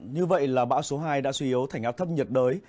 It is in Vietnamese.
như vậy là bão số hai đã suy yếu thành áp thấp nhiệt đới